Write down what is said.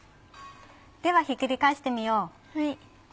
ではひっくり返してみよう。